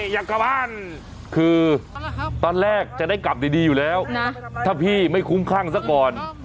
อยากกลับบ้านคือตอนแรกจะได้กลับดีอยู่แล้วถ้าพี่ไม่คุ้มข้างซะก่อน